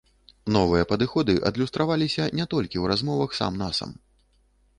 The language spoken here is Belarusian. Новыя падыходы адлюстраваліся не толькі ў размовах сам-насам.